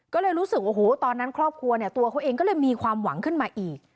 ก็เลยรู้สึกโอ้โหตอนนั้นครอบครัวเนี่ยตัวเขาเองก็เลยมีความหวังขึ้นมาอีก